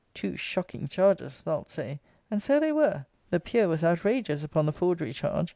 Two shocking charges, thou'lt say: and so they were! The Peer was outrageous upon the forgery charge.